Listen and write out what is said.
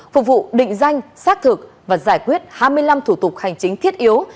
phục vụ định danh xác thực và giải quyết hai mươi năm thủ tục hành chính thiết yếu